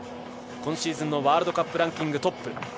今シーズンのワールドカップランキングトップ。